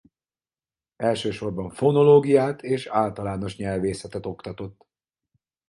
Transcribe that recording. Elsősorban fonológiát és általános nyelvészetet oktatott.